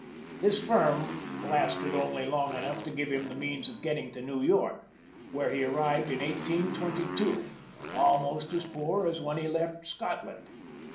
This firm lasted only long enough to give him the means of getting to New York, where he arrived in 1822, almost as poor as when he left Scotland.